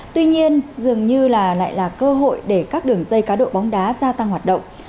tuy nhiên dường như là lại là cơ hội để các đường dây cá độ bóng đá gia tăng hoạt động